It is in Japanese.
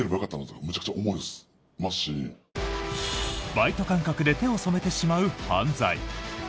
バイト感覚で手を染めてしまう犯罪。